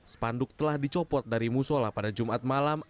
spanduk telah dicopot dari musola pada jumat malam